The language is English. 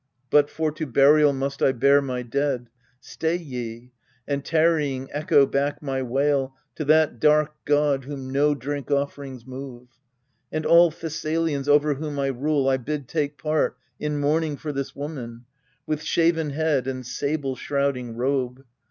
But for to burial must I bear my dead Stay ye, and, tarrying, echo back my wail To that dark god whom no drink offerings move. And all Thessalians over whom I rule I bid take part in mourning for this woman, With shaven head and sable shrouding robe.